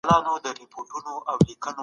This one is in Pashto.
انځوریز کتابونه یې وکارول.